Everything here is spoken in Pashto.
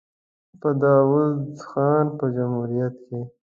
په داوود خان په جمهوریت کې.